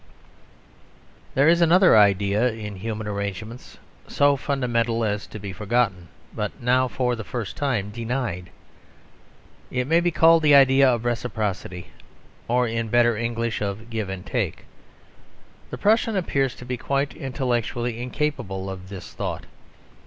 There is another idea in human arrangements so fundamental as to be forgotten; but now for the first time denied. It may be called the idea of reciprocity; or, in better English, of give and take. The Prussian appears to be quite intellectually incapable of this thought.